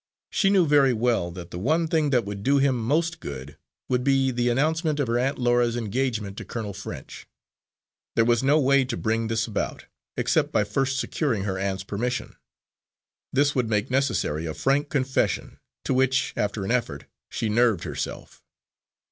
She knew very well that the one thing that would do him most good would be the announcement of her Aunt Laura's engagement to Colonel French. There was no way to bring this about, except by first securing her aunt's permission. This would make necessary a frank confession, to which, after an effort, she nerved herself.